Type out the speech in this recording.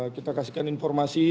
kita kasihkan informasi